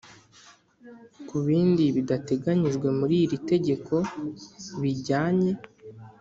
Ku bindi bidateganyijwe muri iri tegeko bijyanye